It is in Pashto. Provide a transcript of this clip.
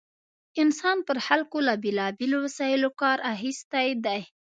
انسان پر خلکو له بېلا بېلو وسایلو کار اخیستی دی.